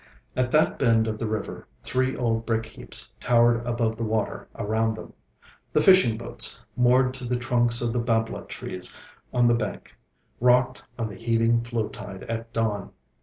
At that bend of the river, three old brick heaps towered above the water around them. The fishing boats, moored to the trunks of the bābla trees on the bank, rocked on the heaving flow tide at dawn.